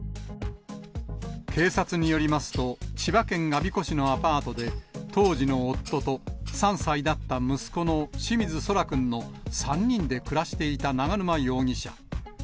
警察によりますと、千葉県我孫子市のアパートで、当時の夫と３歳だった息子の清水奏良くんの３人で暮らしていた永沼容疑者。